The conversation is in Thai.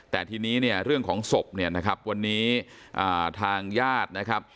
แต่ทีนี้เนี่ยเรื่องของศพเนี่ยนะครับวันนี้ทางญาตินะครับ